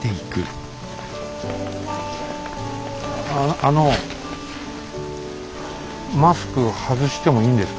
ああのマスク外してもいいんですか？